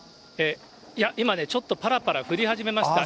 いや、今ね、ちょっとぱらぱら降り始めました。